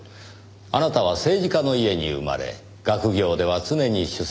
あなたは政治家の家に生まれ学業では常に首席。